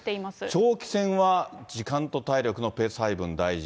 長期戦は時間と体力のペース配分大事。